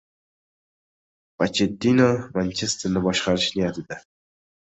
Pochettino Manchesterni boshqarish niyatida